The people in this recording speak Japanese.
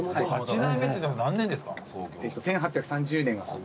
１８３０年。